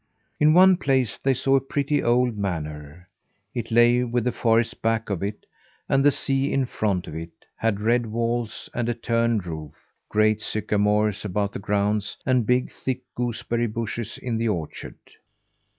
In one place they saw a pretty old manor. It lay with the forest back of it, and the sea in front of it; had red walls and a turreted roof; great sycamores about the grounds, and big, thick gooseberry bushes in the orchard.